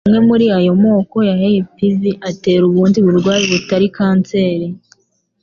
Amwe muri ayo moko ya HPV atera ubundi burwayi butari kanseri